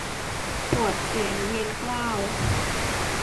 ปวดเศียรเวียนเกล้า